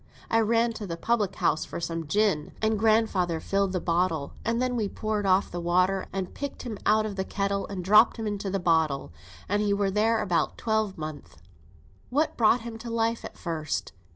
I ran to the public house for some gin, and grandfather filled the bottle, and then we poured off the water, and picked him out of the kettle, and dropped him into the bottle, and he were there above a twelvemonth." "What brought him to life at first?"